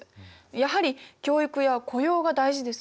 やはり教育や雇用が大事ですね。